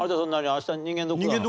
明日人間ドックなの？